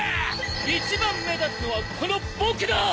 一番目立つのはこの僕だ！